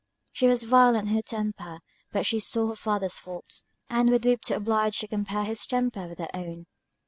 She was violent in her temper; but she saw her father's faults, and would weep when obliged to compare his temper with her own.